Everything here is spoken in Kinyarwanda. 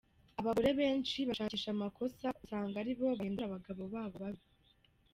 Abagore benshi bashakisha amakosa usanga ari bo bahindura abagabo babo babi.